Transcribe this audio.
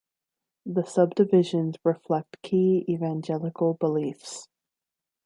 The sub-divisions reflect key Evangelical beliefs.